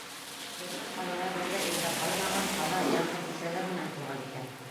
Беҙҙең ҡалала бер ҙә ирҙәр ҡалмаған, ҡала яңғыҙ бисәләр менән тулған икән.